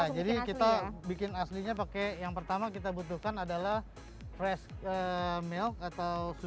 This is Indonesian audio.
jadi kita bikin aslinya pakai yang pertama kita butuhkan adalah fresh milk atau susu